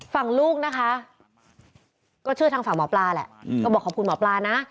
ฝั่งลูกนะคะก็เชื่อทางฝั่งหมอปลาแหละก็บอกขอบคุณหมอปลานะ